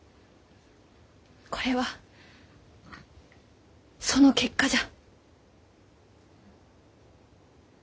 これはその結果じゃ。